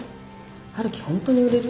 陽樹本当に売れる？